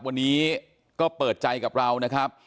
วันนี้ก็เปิดใจกับเรานะครับ